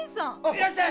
いらっしゃい！